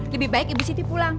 lebih baik ibu siti pulang